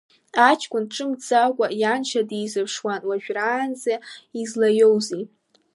Аҷкәын ҿымҭӡакәа ианшьа дизыԥшуан, уажәраанӡа излаиоузеи?